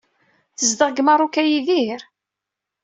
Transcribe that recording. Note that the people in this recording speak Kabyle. Tzedɣeḍ deg Meṛṛuk a Yidir?